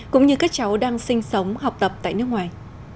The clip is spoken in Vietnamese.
cũng như các cháu đang sinh sống học tập tại nước ngoài